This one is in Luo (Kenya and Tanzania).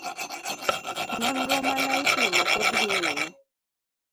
Nonro mane itimo pod dhi nyime.